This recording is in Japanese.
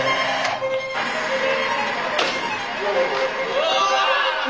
お！